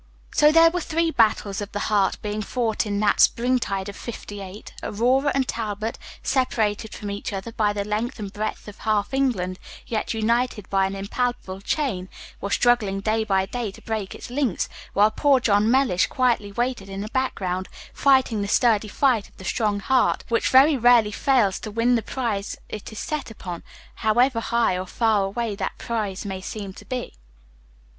So there were three battles of the heart being fought in that springtide of fifty eight. Aurora and Talbot, separated from each other by the length and breadth of half England, yet united by an impalpable chain, were struggling day by day to break its links; while poor John Mellish quietly waited in the background, fighting the sturdy fight of the strong heart, which very rarely fails to win the prize it is set upon, however high or far away that prize may seem to be.